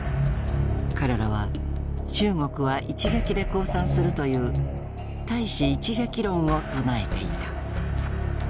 彼らは中国は一撃で降参するという「対支一撃論」を唱えていた。